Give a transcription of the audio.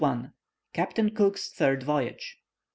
CAPTAIN COOK'S THIRD VOYAGE.